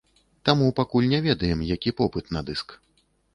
Таму пакуль не ведаем, які попыт на дыск.